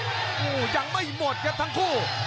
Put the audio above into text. โอ้โหยังไม่หมดครับทั้งคู่